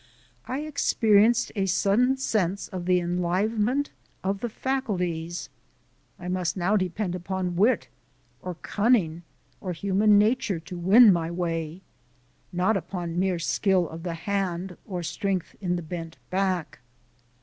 I experienced a sudden sense of the enlivenment of the faculties: I must now depend upon wit or cunning or human nature to win my way, not upon mere skill of the hand or strength in the bent back.